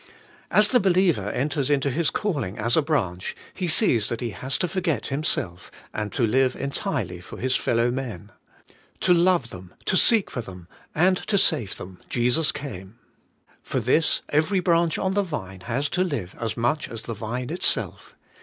As the be liever enters into his calling as a branch, he sees that he has to forget himself, 'and to live entirely for his fellowmen. To love them, to seek for them, and to save them, Jesus came: for this every branch on the Vine has to live as much as the Vine itself.